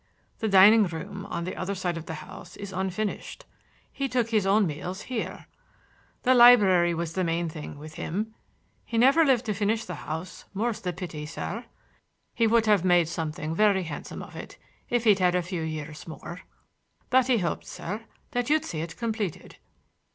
The dining room, on the other side of the house, is unfinished. He took his own meals here. The library was the main thing with him. He never lived to finish the house, —more's the pity, sir. He would have made something very handsome of it if he'd had a few years more. But he hoped, sir, that you'd see it completed.